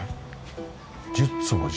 １０坪弱？